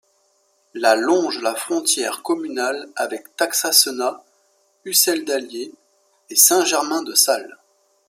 La longe la frontière communale avec Taxat-Senat, Ussel-d'Allier et Saint-Germain-de-Salles.